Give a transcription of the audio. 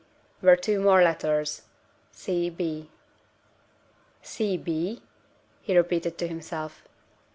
were two more letters C. B. "C. B.?" he repeated to himself.